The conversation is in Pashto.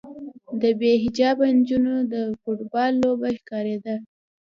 د بې حجابه نجونو د فوټبال لوبه ښکارېده.